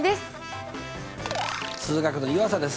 数学の湯浅です。